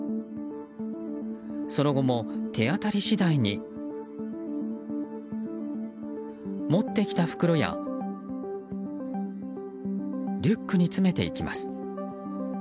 その後も手当たり次第に持ってきた袋やリュックに詰めていきます。